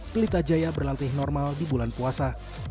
pelita jaya berlatih normal di bulan puasa